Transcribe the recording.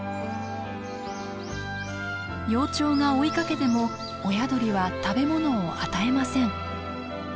幼鳥が追いかけても親鳥は食べ物を与えません。